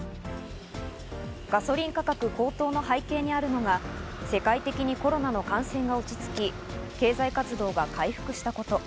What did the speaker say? ガソリン価格高騰の背景にあるのが世界的にコロナの感染が落ち着き経済活動が回復したこと。